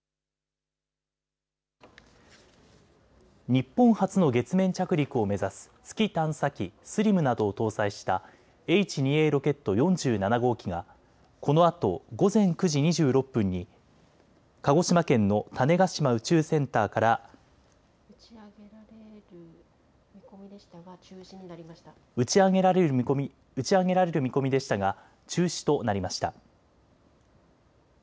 日本初の月面着陸を目指す月探査機、ＳＬＩＭなどを搭載したＨ２Ａロケット４７号機がこのあと午前９時２６分に鹿児島県の種子島宇宙センターから打ち上げられる見込みでしたが中止となりました。